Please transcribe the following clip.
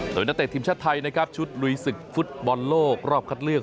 โดยนักเตะทีมชาติไทยนะครับชุดลุยศึกฟุตบอลโลกรอบคัดเลือก